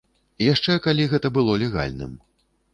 Яшчэ калі гэта было легальным.